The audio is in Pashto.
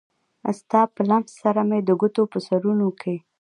ستا په لمس سره مې د ګوتو په سرونو کې